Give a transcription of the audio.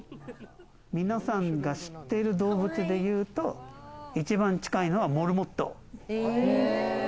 皆さんが知ってる動物でいうと、一番近いのはモルモット。